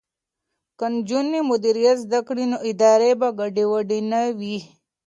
که نجونې مدیریت زده کړي نو ادارې به ګډې وډې نه وي.